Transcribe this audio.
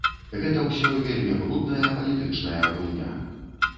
Гэта ўсё вельмі брудная палітычная гульня.